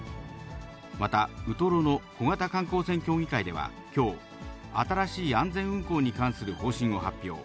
またウトロの小型観光船協議会ではきょう、新しい安全運航に関する方針を発表。